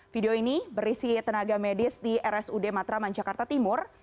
video ini berisi tenaga medis di rsud matraman jakarta timur